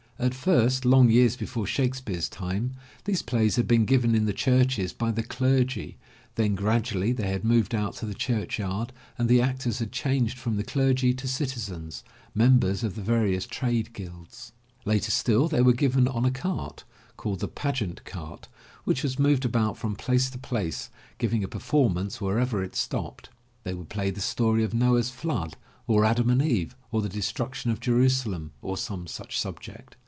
At first, long years before Shakespeare's time, these plays had been given in the churches by the clergy, then, gradually they had moved out to the church yard and the actors had changed from the clergy to citizens, members of the various trade guilds. Later still they were given on a cart, called the pag eant cart, which was moved about from place to place, giving a performance wherever it stopped. They would play the story of Noah's flood, or Adam and Eve, or the Destruction of Jerusalem, or some such subject.